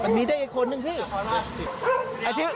มันมีได้แค่คนหนึ่งพี่